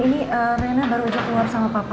ini nenek baru aja keluar sama papa